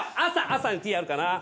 朝にＴあるかな？